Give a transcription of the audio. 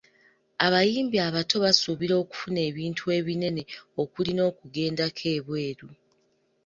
Abayimbi abato basuubira okufuna ebintu ebinene okuli n’okugendako ebweru.